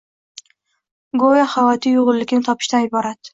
G‘oya hayotiy uyg‘unlikni topishdan iborat